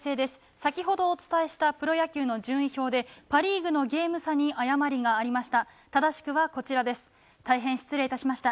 先ほどお伝えしたプロ野球の順位表でパ・リーグのゲーム差に誤りがありました。